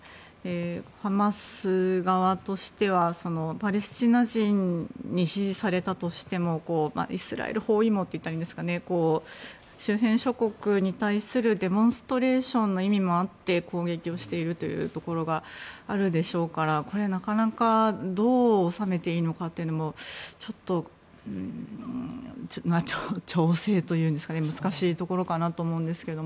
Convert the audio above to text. ハマス側としてはパレスチナ人に支持されたとしてもイスラエル包囲網というか周辺諸国に対するデモンストレーションの意味もあって攻撃をしているというところがあるでしょうからこれはなかなかどう収めていいのかは難しいところだと思いますが。